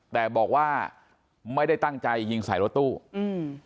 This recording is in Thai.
แต่บอกว่าไม่ได้ตั้งใจยิงใส่รถตู้อืม